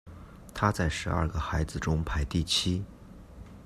他在十二个孩子中排第七。